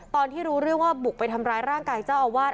ตอนที่รู้เรื่องว่าบุกไปทำร้ายร่างกายเจ้าอาวาส